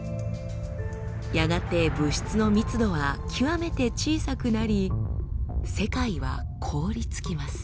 やがて物質の密度は極めて小さくなり世界は凍りつきます。